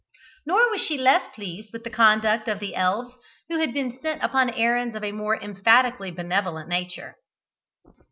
Nor was she less pleased with the conduct of the elves who had been sent upon errands of a more emphatically benevolent nature.